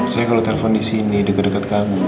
saya kalau telfon disini deket deket kamu